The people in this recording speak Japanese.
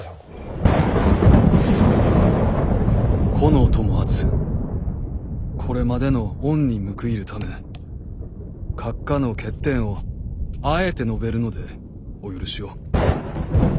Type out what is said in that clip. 「この友厚これまでの恩に報いるため閣下の欠点をあえて述べるのでお許しを。